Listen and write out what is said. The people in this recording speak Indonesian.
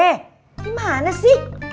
eh gimana sih